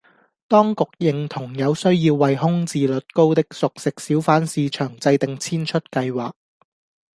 當局認同有需要為空置率高的熟食小販市場制訂遷出計劃